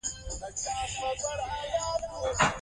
لیکوال همداسې وکړل.